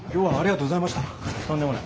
とんでもない。